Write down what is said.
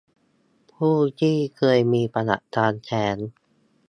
ผู้ที่เคยมีประวัติการแท้ง